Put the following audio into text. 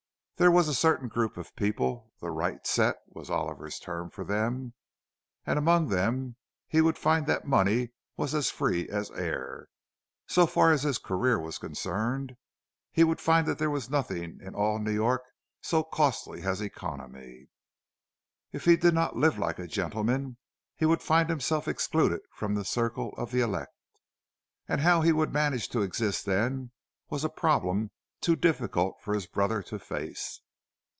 There was a certain group of people—"the right set," was Oliver's term for them—and among them he would find that money was as free as air. So far as his career was concerned, he would find that there was nothing in all New York so costly as economy. If he did not live like a gentleman, he would find himself excluded from the circle of the elect—and how he would manage to exist then was a problem too difficult for his brother to face.